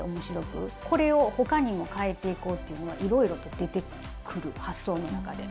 これを他にもかえていこうというのはいろいろと出てくる発想の中で。